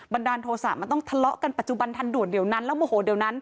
ดาลโทษะมันต้องทะเลาะกันปัจจุบันทันด่วนเดี๋ยวนั้นแล้วโมโหเดี๋ยวนั้น